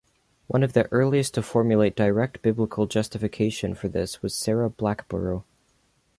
One of the earliest to formulate direct biblical justification for this was Sarah Blackborow.